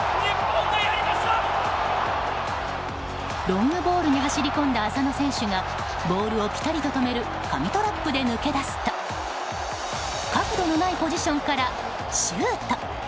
ロングボールに走り込んだ浅野選手がボールをピタリと止める神トラップで抜け出すと角度のないポジションからシュート。